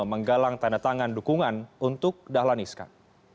menggalang tanda tangan dukungan untuk dahlan iskan